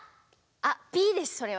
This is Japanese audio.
あっピッですそれは。